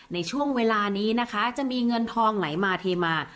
ในช่วงเวลานี้นะคะจะมีเงินทองไหลมาเทมา